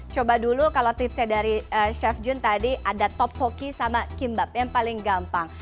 coba dulu kalau tipsnya dari chef jun tadi ada top hoki sama kimbab yang paling gampang